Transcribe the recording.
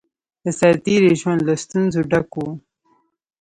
د سرتېری ژوند له ستونزو ډک وو